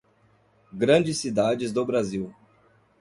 Grandes cidades do Brasil.